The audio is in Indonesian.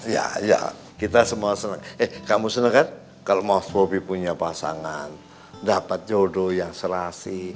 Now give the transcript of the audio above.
ya ya kita semua seneng kamu seneng kan kalau mau popi punya pasangan dapat jodoh yang selasi